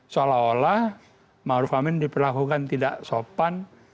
seolah olah maruf amin diperlakukan tidak sopan